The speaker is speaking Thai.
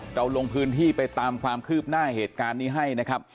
ลงพื้นที่ไปตามความคืบหน้าเหตุการณ์นี้ให้นะครับ